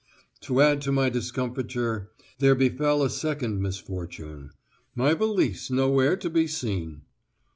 To add to my discomfiture there befell a second misfortune: my valise was nowhere to be seen!